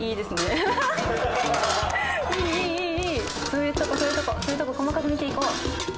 そういうとこ細かく見ていこう。